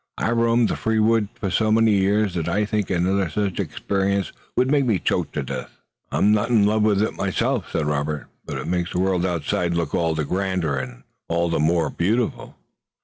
I've roamed the free woods for so many years that I think another such experience would make me choke to death." "I'm not in love with it myself," said Robert, "but it makes the world outside look all the grander and all the more beautiful."